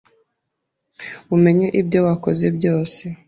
umenye ibyo wakoze byose